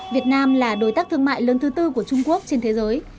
việt nam là đối tác thương mại lớn thứ tư của trung quốc trên thế giới